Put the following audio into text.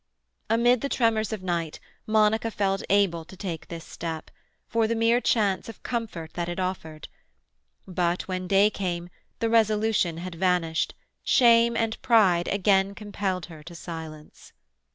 Amid the tremors of night Monica felt able to take this step, for the mere chance of comfort that it offered. But when day came the resolution had vanished; shame and pride again compelled her to silence.